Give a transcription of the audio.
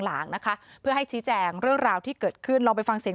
หลังนะคะเพื่อให้ชี้แจงเรื่องราวที่เกิดขึ้นลองไปฟังเสียง